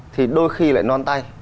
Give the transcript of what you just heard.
thì đôi khi lại non tay